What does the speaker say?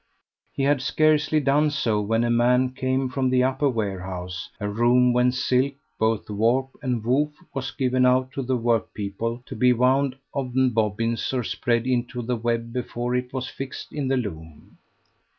He had scarcely done so when a man came from the upper warehouse, a room whence silk both warp and woof was given out to the workpeople to be wound on bobbins or spread into the web before it was fixed in the loom.